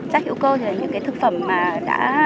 rác hữu cơ là những cái thực phẩm mà đã